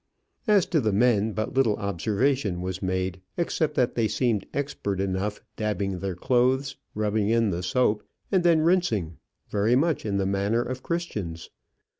As to the men, but little observation was made, except that they seemed expert enough, dabbing their clothes, rubbing in the soap, and then rinsing, very much in the manner of Christians.